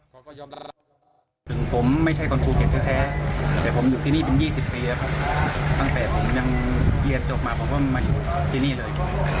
ผมไม่สามารถจะมีเรื่องกับใครได้เลย